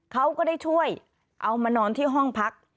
เขาก็ได้ช่วยเอามานอนที่ห้องพัก